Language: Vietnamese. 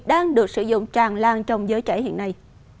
đang được sử dụng tràn lan trong giới trẻ hiện nay